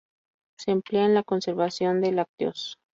Se emplea en la conservación de lácteos.